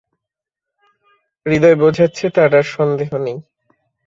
হৃদয় বোঝাচ্ছে তার আর সন্দেহ নেই।